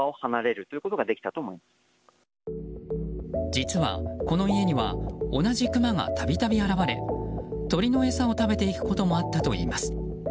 実は、この家には同じクマが度々現れ鳥の餌を食べていくこともあったといいます。